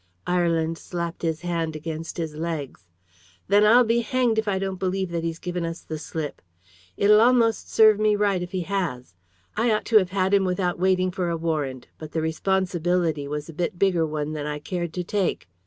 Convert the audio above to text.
Ireland slapped his hand against his legs. "Then I'll be hanged if I don't believe that he's given us the slip. It'll almost serve me right if he has. I ought to have had him without waiting for a warrant, but the responsibility was a bit bigger one than I cared to take.